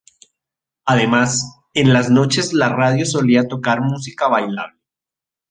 Además, en las noches la radio solía tocar música bailable.